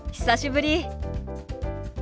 久しぶり。